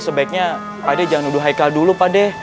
sebaiknya pak de jangan nuduh haikal dulu pak de